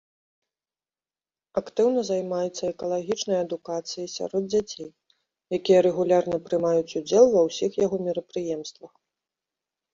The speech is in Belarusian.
Актыўна займаецца экалагічнай адукацыяй сярод дзяцей, якія рэгулярна прымаюць удзел ва ўсіх яго мерапрыемствах.